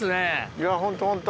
いやホントホント。